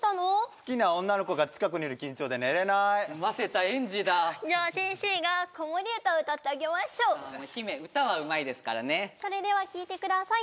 好きな女の子が近くにいる緊張で寝れないませた園児だじゃあ先生が子守歌を歌ってあげましょうヒメ歌はうまいですからねそれでは聴いてください